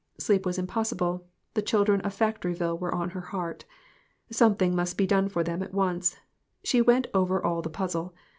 Sleep was impossible ; the children of Factoryville were on her heart. Something must be done for them at once. She went over all the puzzle.